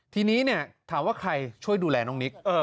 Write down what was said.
ทีนี้ถามว่าใครช่วยดูแลน้องนิก